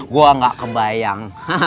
gue gak kebayang